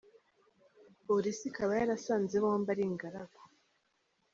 Polisi ikaba yarasanze bombi ari ingaragu.